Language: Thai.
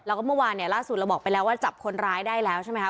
แล้วก็เมื่อวานเนี่ยล่าสุดเราบอกไปแล้วว่าจับคนร้ายได้แล้วใช่ไหมคะ